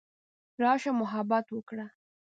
راشه محبت وکړه.